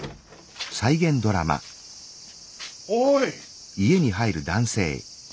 おい。